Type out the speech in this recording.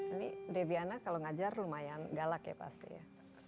ini deviana kalau ngajar lumayan galak ya pasti ya